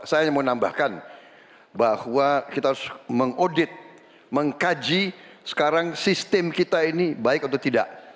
saya ingin menambahkan bahwa kita harus mengaudit mengkaji sekarang sistem kita ini baik atau tidak